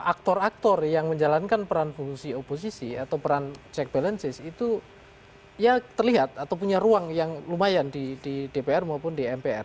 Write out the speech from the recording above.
aktor aktor yang menjalankan peran fungsi oposisi atau peran check balances itu ya terlihat atau punya ruang yang lumayan di dpr maupun di mpr